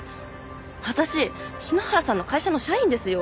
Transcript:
私篠原さんの会社の社員ですよ。